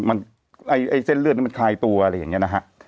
มันไอ้เส้นเลือดนั้นมันคลายตัวอะไรอย่างนี้นะฮะ